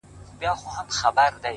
لـكــه دی لـــونــــــگ;